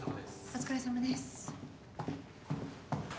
お疲れさまです。